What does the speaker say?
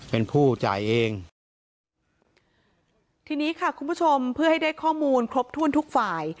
เป็นผู้จ่ายเองทีนี้ค่ะคุณผู้ชมเพื่อให้ได้ข้อมูลครบถ้วนทุกฝ่าย